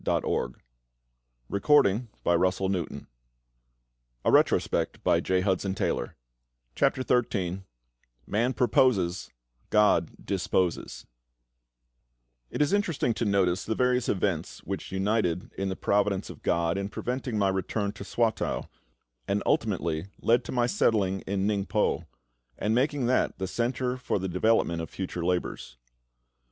how this heart will glow with | gratitude and | love. CHAPTER XIII MAN PROPOSES, GOD DISPOSES IT is interesting to notice the various events which united, in the providence of GOD, in preventing my return to Swatow, and ultimately led to my settling in Ningpo, and making that the centre for the development of future labours.